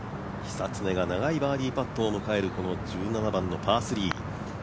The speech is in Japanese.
久常が長いバーディーパットを迎える１７番のパー３。